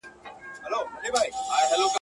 له بېکاره، خداى بېزاره.